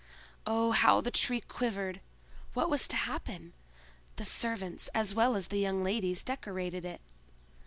Oh, how the Tree quivered! What was to happen? The servants, as well as the young ladies, decorated it.